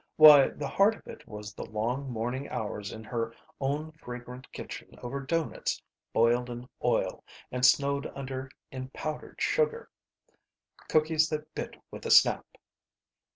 Why, the heart of it was the long morning hours in her own fragrant kitchen over doughnuts boiled in oil and snowed under in powdered sugar! Cookies that bit with a snap.